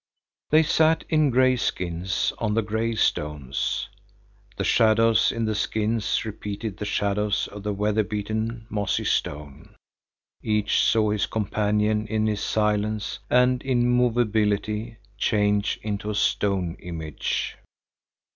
They sat in gray skins on the gray stones. The shadows in the skins repeated the shadows of the weather beaten, mossy stone. Each saw his companion in his silence and immovability change into a stone image.